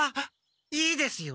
いいですよ。